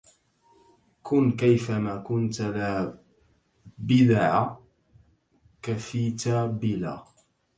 كن كيفما كنت لا بدع كفيت بلا